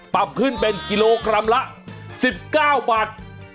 ปรับขึ้นเป็นกิโลกรัมละ๑๙บาท